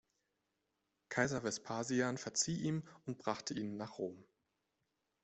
Kaiser Vespasian verzieh ihm und brachte ihn nach Rom.